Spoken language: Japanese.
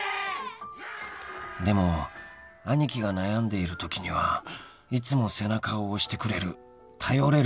［でもアニキが悩んでいるときにはいつも背中を押してくれる頼れる男だ］